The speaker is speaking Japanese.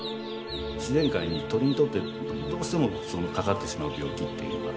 自然界に鳥にとってどうしてもかかってしまう病気っていうのがあるんです。